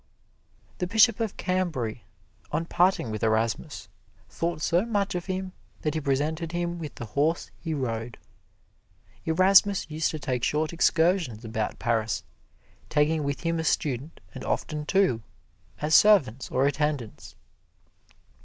The Bishop of Cambray, on parting with Erasmus, thought so much of him that he presented him with the horse he rode. Erasmus used to take short excursions about Paris, taking with him a student and often two, as servants or attendants.